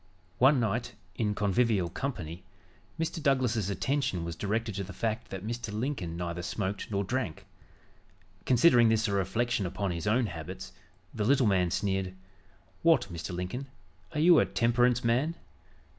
One night, in a convivial company, Mr. Douglas's attention was directed to the fact that Mr. Lincoln neither smoked nor drank. Considering this a reflection upon his own habits, the little man sneered: "What, Mr. Lincoln, are you a temperance man?"